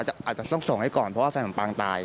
อาจจะต้องส่งให้ก่อนเพราะว่าแฟนของปางตาย